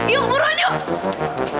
yuk buruan yuk